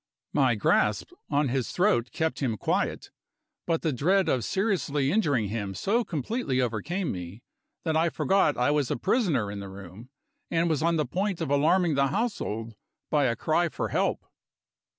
My grasp on his throat kept him quiet. But the dread of seriously injuring him so completely overcame me, that I forgot I was a prisoner in the room, and was on the point of alarming the household by a cry for help.